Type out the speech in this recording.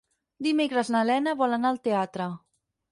Dimecres na Lena vol anar al teatre.